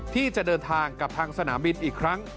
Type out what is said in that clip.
ที่จะเดินทางกับทางสนามบินอีกครั้ง